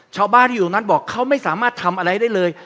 ชาวบ้านที่อยู่ตรงนั้นบอกเขาไม่สามารถทำอะไรได้เลย